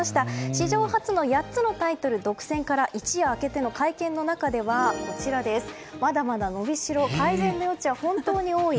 史上初の８つのタイトル独占から一夜明けての会見の中では、まだまだ伸びしろ改善の余地は本当に多い。